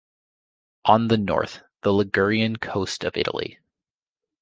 "On the North" The Ligurian Coast of Italy.